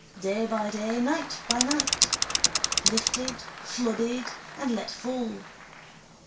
Day by day: night by night: lifted, flooded and let fall.